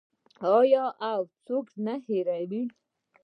آیا او هیڅوک نه هیروي؟